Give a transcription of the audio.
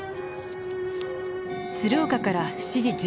鶴岡から７時１６分発